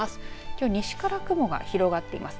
きょう、西から雲が広がっています。